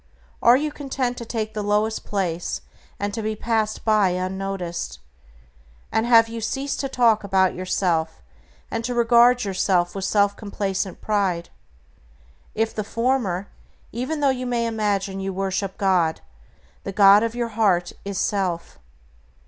Are you content to take the lowest place, and to be passed by unnoticed? And have you ceased to talk about yourself and to regard yourself with self complacent pride? If the former, even though you may imagine you worship God, the god of your heart is self.